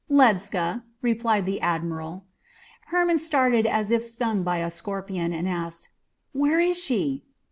"Ledscha," replied the admiral. Hermon started as if stung by a scorpion, and asked, "Where is she?"